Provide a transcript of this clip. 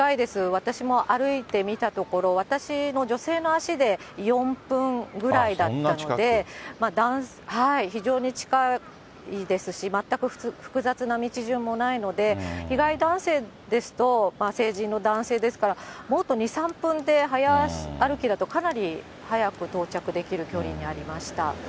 私も歩いて見たところ、私の女性の足で４分ぐらいだったので、非常に近いですし、全く複雑な道順もないので、被害男性ですと、成人の男性ですから、もっと２、３分で、早歩きだと、かなり早く到着できる距離にありました。